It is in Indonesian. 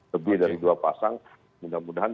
lebih dari dua pasang mudah mudahan